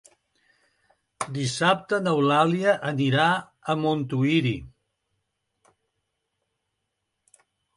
Dissabte n'Eulàlia anirà a Montuïri.